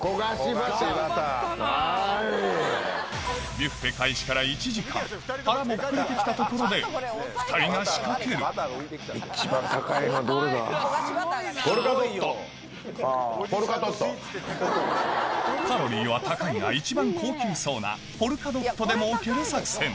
ビュッフェ開始から腹も膨れてきたところで２人が仕掛けるカロリーは高いが一番高級そうなポルカドットでもうける作戦